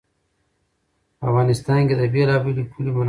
په افغانستان کې د بېلابېلو کلیو منابع شته.